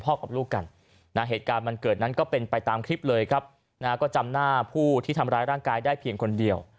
เป็นไปตามคลิปเลยครับนะฮะก็จำหน้าผู้ที่ทำร้ายร่างกายได้เพียงคนเดียว